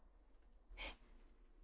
えっ。